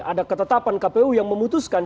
ada ketetapan kpu yang memutuskan